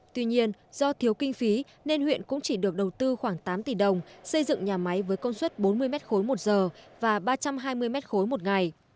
tuy nhiên do thiếu kinh phí nên huyện cũng chỉ được đầu tư khoảng tám tỷ đồng xây dựng nhà máy với công suất bốn mươi m ba một giờ và ba trăm hai mươi m ba một ngày